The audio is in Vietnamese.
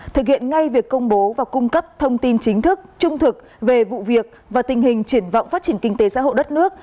thực hiện ngay việc công bố và cung cấp thông tin chính thức trung thực về vụ việc và tình hình triển vọng phát triển kinh tế xã hội đất nước